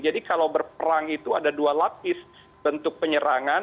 jadi kalau berperang itu ada dua lapis bentuk penyerangan